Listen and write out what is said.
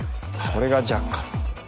これがジャッカル。